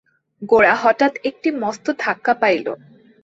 গোরা হঠাৎ একটা মস্ত ধাক্কা পাইল।